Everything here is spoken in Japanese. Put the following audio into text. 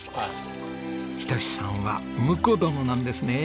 仁さんは婿殿なんですね。